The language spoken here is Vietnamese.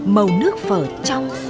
màu nước phở trong